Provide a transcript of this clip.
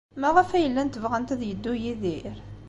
Maɣef ay llant bɣant ad yeddu Yidir?